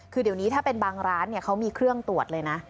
คือเดี๋ยวนี้ถ้าเป็นบางร้านเขามีเครื่องตรวจเลยนะ